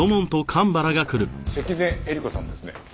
関根えり子さんですね？